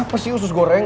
apa sih usus goreng